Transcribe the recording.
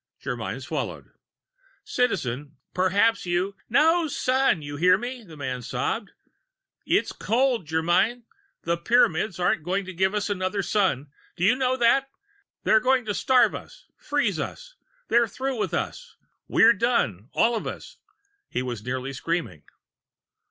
Germyn swallowed. "Citizen, perhaps you " "No Sun, you hear me!" the man sobbed. "It's cold, Germyn. The Pyramids aren't going to give us another Sun, do you know that? They're going to starve us, freeze us; they're through with us. We're done, all of us!" He was nearly screaming.